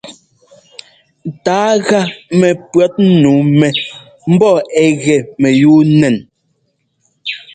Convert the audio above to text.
Tǎa gá mɛpʉ̈ɔtnu mɛ mbɔ ɛ gɛ mɛyúu nɛn.